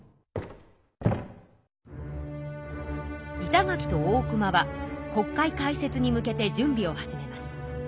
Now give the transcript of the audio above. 板垣と大隈は国会開設に向けて準備を始めます。